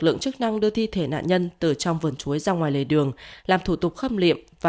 lực lượng chức năng đưa thi thể nạn nhân từ trong vườn chuối ra ngoài lề đường làm thủ tục khâm liệm và